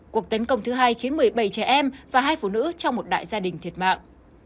cuộc tấn công thứ hai khiến một mươi bảy trẻ em và hai phụ nữ trong một đại gia đình thiệt mạng